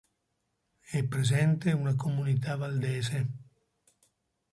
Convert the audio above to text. È presente una comunità valdese.